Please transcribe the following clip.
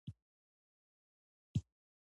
موزیک د پاڼو په شرنګ کې راځي.